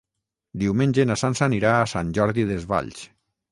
Diumenge na Sança anirà a Sant Jordi Desvalls.